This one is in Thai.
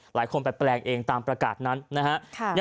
หลายคนไปแปลงเองตามประกาศนั้นนะฮะ